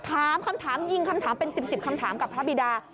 ถามคำถามยิงคำถามเป็น๑๐คำถามกับพระบิดา